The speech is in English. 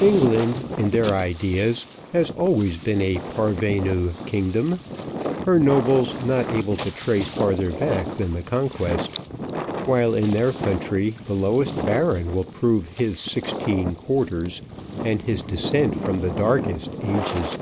England, in their ideas, has always been a parvenue kingdom; her nobles not able to trace farther back than the Conquest; while, in their country, the lowest baron will prove his sixteen quarters, and his descent from the darkest ages.